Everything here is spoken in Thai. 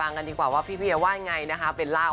วันนั้นคือมีภาพมีอะไรรึเปล่า